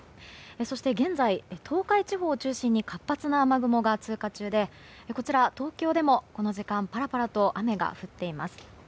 そして現在東海地方を中心に活発な雨雲が通過中で東京でも、この時間パラパラと雨が降っています。